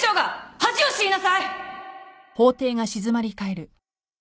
恥を知りなさい！